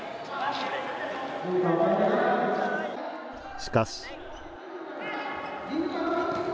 しかし。